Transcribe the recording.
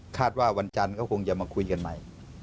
ว่าวันจันทร์ก็คงจะมาคุยกันใหม่